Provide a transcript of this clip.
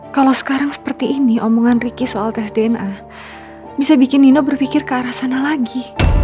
kalau sekarang seperti ini omongan ricky soal tes dna bisa bikin nino berpikir ke arah sana lagi